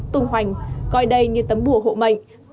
tùng hoành coi đây như tấm bùa hộ mệnh